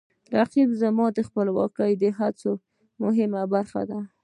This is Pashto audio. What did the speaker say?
رقیب زما د خپلواکۍ د هڅو مهمه برخه ده